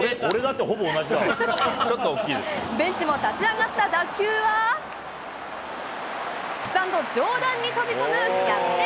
ベンチも立ち上がった打球は、スタンド上段に飛び込む逆転